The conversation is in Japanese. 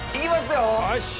よし！